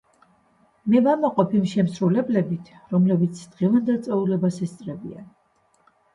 მე ვამაყობ იმ შემსრულებლებით, რომლებიც დღევანდელ წვეულებას ესწრებიან.